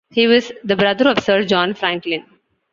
He was the brother of Sir John Franklin.